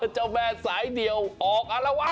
เจ้าแม่สายเดี่ยวออกอารวะ